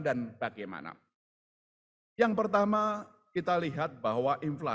dan bagaimana yang pertama kita lihat bahwa